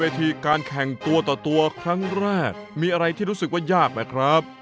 การแข่งตัวต่อตัวครั้งแรกมีอะไรที่รู้สึกว่ายากนะครับ